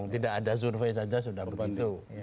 tidak ada survei saja sudah begitu